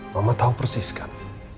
mama tau persis kan